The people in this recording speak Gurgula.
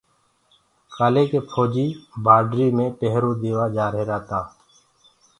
ڪآليِ ڪيِ ڦوجيٚ بآڊري ميِ پيهرو ديوآ جآريهِرآ تآ